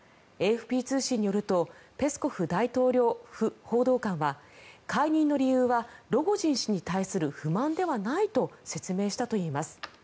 ＡＦＰ通信によるとペスコフ大統領府報道官は解任の理由はロゴジン氏に対する不満ではないと説明したといいます。